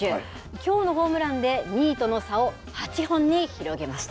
きょうのホームランで、２位との差を８本に広げました。